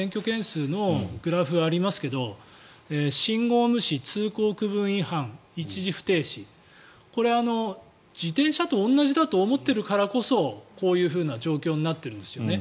そこの７月の検挙件数のグラフがありますが信号無視、通行区分違反一時不停止これ、自転車と同じだと思っているからこそこういうふうな状況になっているんですよね。